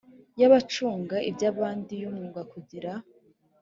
y abacunga iby abandi y umwuga kugira